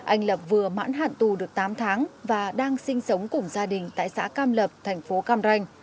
anh lập vừa mãn hạn tù được tám tháng và đang sinh sống cùng gia đình tại xã cam lập thành phố cam ranh